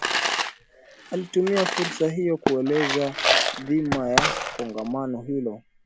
Alitumia fursa hiyo kueleza dhima ya Kongamano hilo